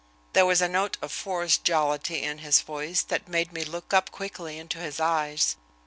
There was a note of forced jollity in his voice that made me look up quickly into his eyes.